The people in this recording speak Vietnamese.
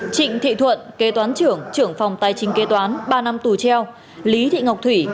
trịnh thị thuận kế toán trưởng trưởng phòng tài chính kế toán ba năm tù treo lý thị ngọc thủy